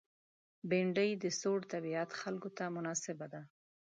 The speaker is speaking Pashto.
بېنډۍ د سوړ طبیعت خلکو ته مناسبه ده